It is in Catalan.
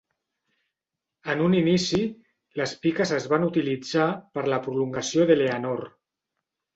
En un inici, les piques es van utilitzar per la prolongació d"Eleanor.